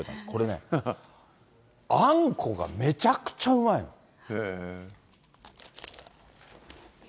これね、あんこがめちゃくちゃうまいの。